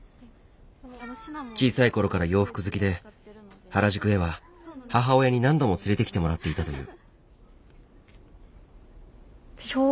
小さいころから洋服好きで原宿へは母親に何度も連れてきてもらっていたという。